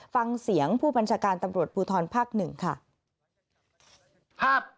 ฟังเสียงผู้บัญชาการตำรวจภูทรภาค๑ค่ะ